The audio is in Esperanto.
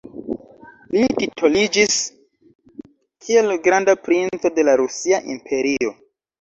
Li titoliĝis kiel granda princo de la Rusia Imperio.